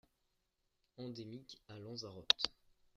Endémique à Lanzarote.